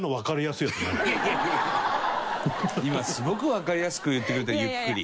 今すごくわかりやすく言ってくれたゆっくり。